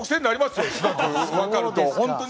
「すだく」分かると本当に。